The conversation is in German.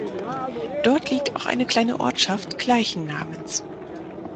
Dort liegt auch eine kleine Ortschaft gleichen Namens.